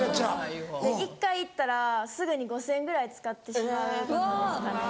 １回行ったらすぐに５０００円ぐらい使ってしまうことですかね。